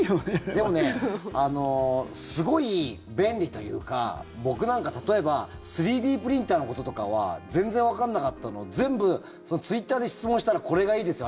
でもすごい便利というか僕なんか、例えば３Ｄプリンターのこととかは全然わかんなかったのを全部ツイッターで質問したらこれがいいですよ